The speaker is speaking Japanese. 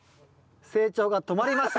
成長が止まりました。